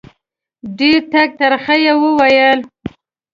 ډېر ټک ترخه یې وویل.